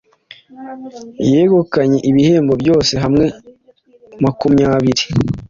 yegukanye ibihembo byose hamwe makumyabiri.